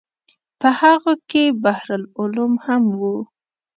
په هغو کې بحر العلوم هم و.